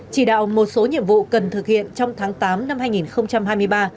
chỉ đạo một số nhiệm vụ cần thực hiện trong tháng tám năm hai nghìn hai mươi ba